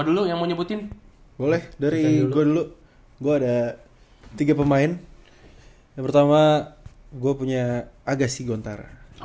dulu yang mau nyebutin boleh dari gue dulu gua ada tiga pemain yang pertama gua punya agassi gontar